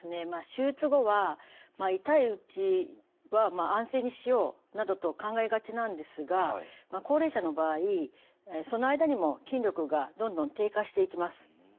手術後は痛いうちは安静にしようなどと考えがちなんですが高齢者の場合その間にも筋力がどんどん低下していきます。